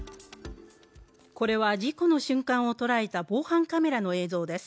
これは事故の瞬間を捉えた防犯カメラの映像です。